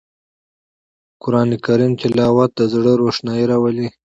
قرآن کریم تلاوت د زړه روښنايي راولي